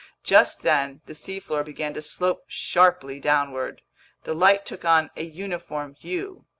Just then the seafloor began to slope sharply downward. The light took on a uniform hue.